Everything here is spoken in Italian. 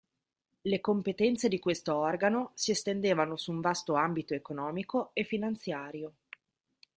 Le competenze di questo organo si estendevano su un vasto ambito economico e finanziario.